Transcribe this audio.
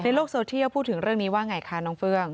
โลกโซเทียลพูดถึงเรื่องนี้ว่าไงคะน้องเฟื้อง